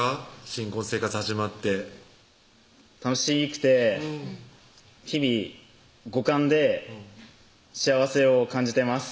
新婚生活始まって楽しくて日々五感で幸せを感じてます